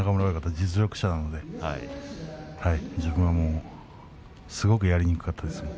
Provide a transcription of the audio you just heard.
実力者なので自分はすごくやりにくかったです。